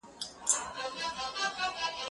زه د ښوونځی لپاره تياری کړی دی،